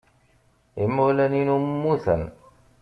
Imawlan-inu mmuten.